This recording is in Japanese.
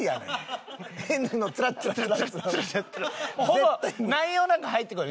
ほぼ内容なんか入ってこない。